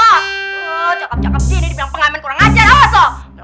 oh cakep dua di sini dibilang pengamen kurang ajar awas oh